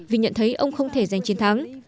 vì nhận thấy ông không thể giành chiến thắng